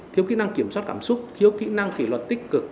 thiếu kỹ năng kiểm soát cảm xúc thiếu kỹ năng kỷ luật tích cực